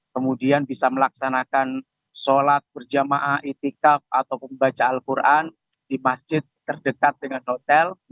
kemudian bisa melaksanakan sholat berjamaah itikaf ataupun membaca al quran di masjid terdekat dengan hotel